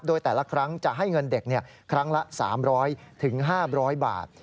โดยแต่ละครั้งจะให้เงินเด็กครั้งละ๓๐๐๕๐๐บาท